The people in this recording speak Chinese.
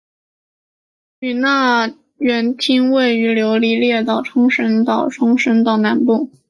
与那原町位于琉球列岛冲绳群岛冲绳岛南部。